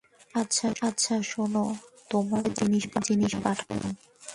আচ্ছা শোন, তোর পছন্দের জিনিস পাঠালাম।